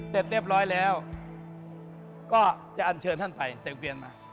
เต็ดเรียบร้อยแล้วก็จะอัญเชิญท่านไปเสริมเบิร์นมา